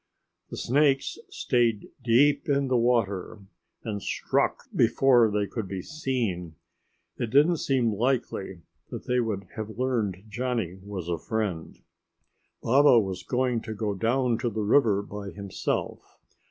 The snakes stayed deep in the water and struck before they could be seen. It didn't seem likely that they would have learned Johnny was a friend. Baba was going to go down to the river by himself.